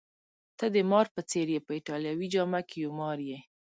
ته د مار په څېر يې، په ایټالوي جامه کي یو مار یې.